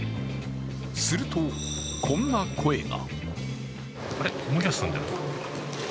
すると、こんな声が。